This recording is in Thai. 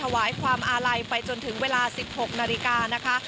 ความอาลัยไปจนถึงเวลา๑๖นาฬิกานะคะ